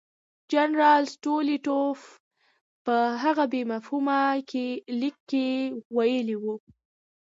جنرال سټولیټوف په هغه بې مفهومه لیک کې ویلي وو.